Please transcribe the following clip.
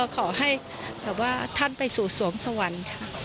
ขอให้ท่านไปสู่สวงสวรรค์